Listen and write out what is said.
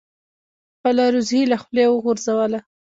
خپله روزي یې له خولې وغورځوله.